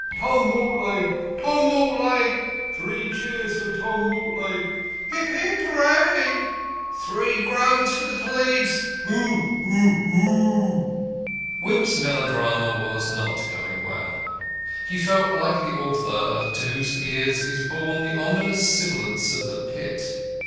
"Tom Mortlake! Tom Mortlake! Three cheers for Tom Mortlake!" "Hip, hip, hip, hooray!" "Three groans for the police!" "Hoo! Oo! Oo!" Wimp's melodrama was not going well. He felt like the author to whose ears is borne the ominous sibilance of the pit.